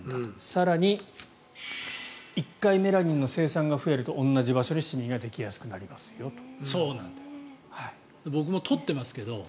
更に１回メラニンの生産が増えると同じ場所にシミができやすくなりますよと。